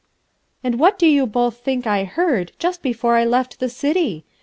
"And what do you both think I heard just before I left the city?